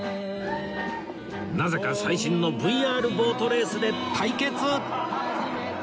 なぜか最新の ＶＲ ボートレースで対決！